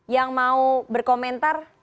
yang mau berkomentar